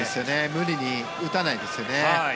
無理に打たないですね。